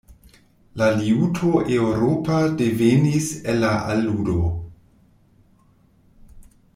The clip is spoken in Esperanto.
La liuto eŭropa devenis el la al-udo.